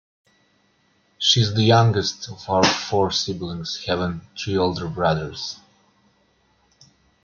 She is the youngest of four siblings, having three older brothers.